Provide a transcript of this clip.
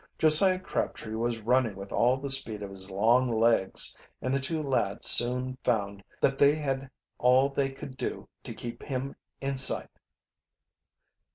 Josiah Crabtree was running with all the speed of his long legs, and the two lads soon found that they had all they could do to keep him in sight.